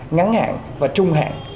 ngắn hạn và trung hạn